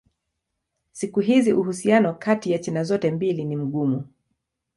Siku hizi uhusiano kati ya China zote mbili ni mgumu.